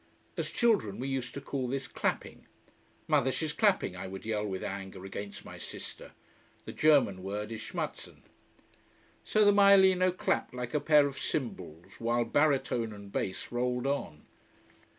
As children we used to call this "clapping". "Mother, she's clapping!" I would yell with anger, against my sister. The German word is schmatzen. So the maialino clapped like a pair of cymbals, while baritone and bass rolled on.